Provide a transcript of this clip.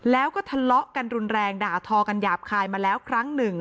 แล้วก็ทะเลาะกันรุนแรงด่าทอกันหยาบคายมาแล้วครั้งหนึ่ง